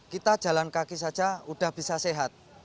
kita jalan kaki saja sudah bisa sehat